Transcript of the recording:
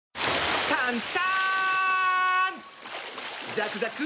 ザクザク！